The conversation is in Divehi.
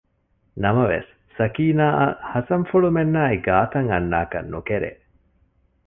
ނަމަވެސް ސަކީނާއަށް ހަސަންފުޅުމެންނާއި ގާތަށް އަންނާކަށް ނުކެރޭ